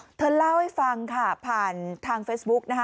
เธอเล่าให้ฟังค่ะผ่านทางเฟซบุ๊กนะคะ